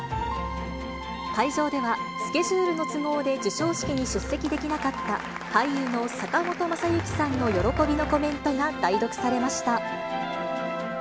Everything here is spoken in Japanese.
会場では、スケジュールの都合で授賞式に出席できなかった俳優の坂本昌行さんの喜びのコメントが代読されました。